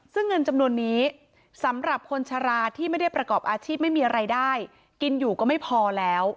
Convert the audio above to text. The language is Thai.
ซึ่งเงินจำนวนนี้สำหรับคนชะลาที่ไม่ได้ประกอบอาชีพไม่มีรายได้กินอยู่ก็ไม่พอแล้ว